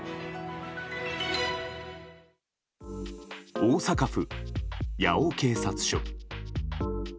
大阪府、八尾警察署。